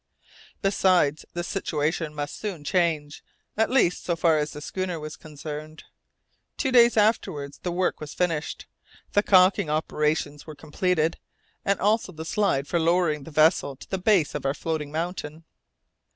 Besides, the situation must soon change, at least so far as the schooner was concerned. Two days afterwards the work was finished. The caulking operations were completed, and also the slide for lowering the vessel to the base of our floating mountain.